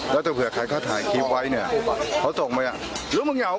แล้วถ้าเผื่อใครเขาถ่ายคลิปไว้เนี่ยเขาส่งไปอ่ะแล้วมึงเอา